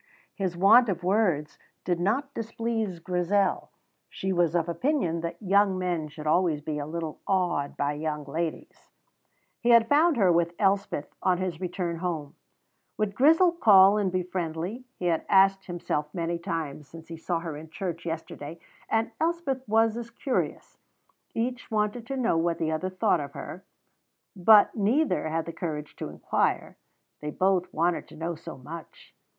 His want of words did not displease Grizel; she was of opinion that young men should always be a little awed by young ladies. He had found her with Elspeth on his return home. Would Grizel call and be friendly? he had asked himself many times since he saw her in church yesterday, and Elspeth was as curious. Each wanted to know what the other thought of her, but neither had the courage to inquire, they both wanted to know so much.